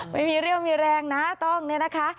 ไม่มีเรี่ยวมีแรงนะต้องเนี่ยนะคะ